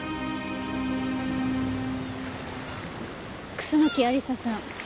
楠木亜理紗さん